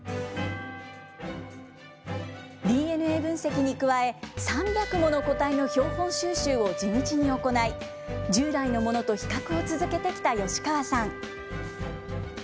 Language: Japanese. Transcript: ＤＮＡ分析に加え、３００もの個体の標本収集を地道に行い、従来のものと比較を続けてきた吉川さん。